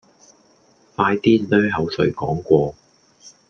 快啲 𦧲 口水講過